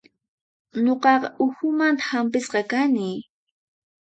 Nuqaqa uhumanta hampisqa kani.